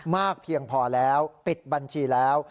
เพียงพอแล้วปิดบัญชีแล้ว